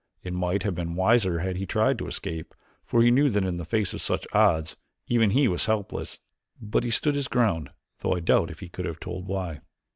It might have been wiser had he tried to escape, for he knew that in the face of such odds even he was helpless, but he stood his ground though I doubt if he could have told why.